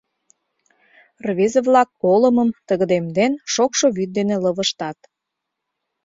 Рвезе-влак олымым, тыгыдемден, шокшо вӱд дене лывыжтат.